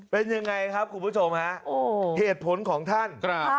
เป็นยังไงครับคุณผู้ชมฮะเหตุผลของท่านครับ